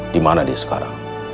dimana dia sekarang